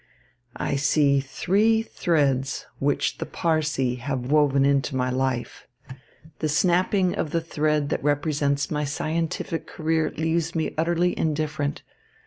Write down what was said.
"I see three threads which the Parcæ have woven into my life. The snapping of the thread that represents my scientific career leaves me utterly indifferent.